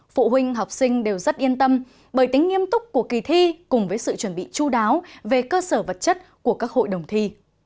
phụ huynh học sinh đều rất yên tâm bởi tính nghiêm túc của kỳ thi cùng với sự chuẩn bị chú đáo về cơ sở vật chất của các hội đồng thi